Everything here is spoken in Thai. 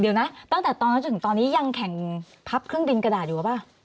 เดี๋ยวนะตั้งแต่ตอนนั้นจนถึงตอนนี้ยังแข่งพับเครื่องบินกระดาษอยู่หรือเปล่า